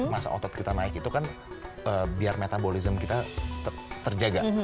masa otot kita naik itu kan biar metabolisme kita terjaga